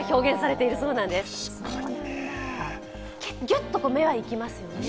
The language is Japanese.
ギュッと目はいきますよね。